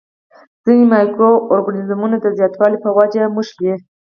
ځینې مایکرو ارګانیزمونه د زیاتوالي په وجه نښلي.